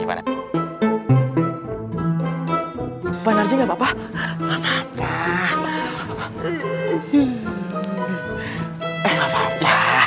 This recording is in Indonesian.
pak narji enggak apa apa